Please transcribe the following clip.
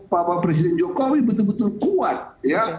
bapak presiden jokowi betul betul kuat ya